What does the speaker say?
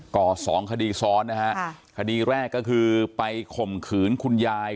่อสองคดีซ้อนนะฮะคดีแรกก็คือไปข่มขืนคุณยาย